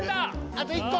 あと１こ！